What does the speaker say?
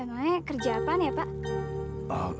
emangnya kerja apaan ya pak